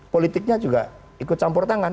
politiknya juga ikut campur tangan